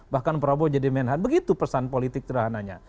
bahkan prabowo jadi menhan begitu pesan politik terhananya